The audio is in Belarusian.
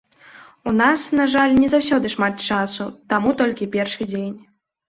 У нас, на жаль, не заўсёды шмат часу, таму толькі першы дзень.